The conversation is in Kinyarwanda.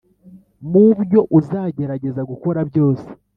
mu byo uzagerageza gukora byose,